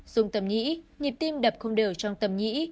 dùng tầm nhĩ nhịp tim đập không đều trong tầm nhĩ